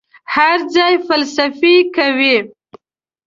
هر ځای فلسفې کوي.